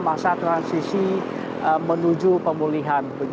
masa transisi menuju pemulihan